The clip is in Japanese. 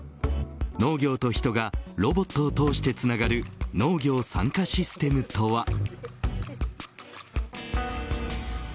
農業と人がロボットを通してつながる農業参加システムとは。